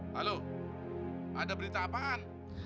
halo ada berita apaan